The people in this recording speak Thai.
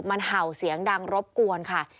มันเห่าเสียงดังรบกวนค่ะ